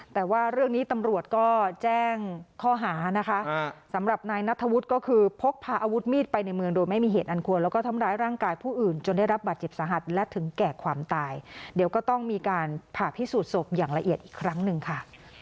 แต่ว่าเรื่องนี้ตำรวจก็แจ้งข้อหานะคะสำหรับนายนัทธวุฒิก็คือพกพาอาวุธมีดไปในเมืองโดยไม่มีเหตุอันควรแล้วก็ทำร้ายร่างกายผู้อื่นจนได้รับบาดเจ็บสาหัสและถึงแก่ความตายเดี๋ยวก็ต้องมีการผ่าพิสูจนศพอย่างละเอียดอีกครั้งหนึ่งค่ะ